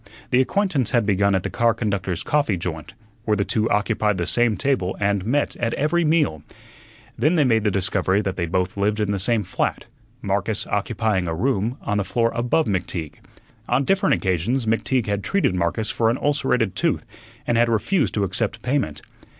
The acquaintance had begun at the car conductors' coffee joint, where the two occupied the same table and met at every meal. Then they made the discovery that they both lived in the same flat, Marcus occupying a room on the floor above McTeague. On different occasions McTeague had treated Marcus for an ulcerated tooth and had refused to accept payment.